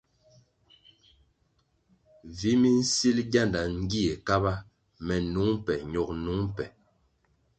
Vi minsil gyanda gie Kaba, me nung be ño nung be.